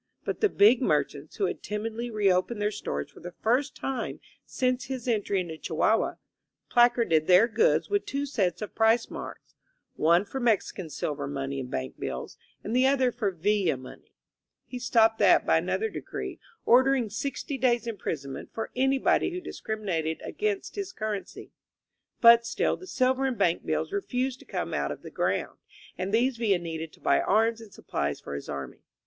But the big merchants, who had timidly reopened their stores for the first time since his entry into Chihuahua^ placarded their goods with two sets of price marks — one for Mexican silver money and bank bills, and the 124 A PEON IN POLITICS other for *Villa money.' He stopped that by another decree, ordering sixty days' imprisonment for anybody who discriminated against his currency. But still the silver and bank bills refused to come out of the ground, and these Villa needed to buy arms and supplies for his army.